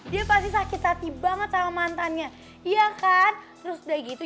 dia pasti sakit hati banget sama mantannya iya kan terus udah gitu